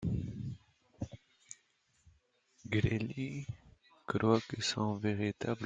Greeley croit que son véritable objectif est de s'opposer à la candidature de Banks.